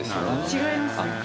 違いますね